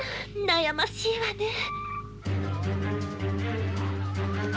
悩ましいわねえ。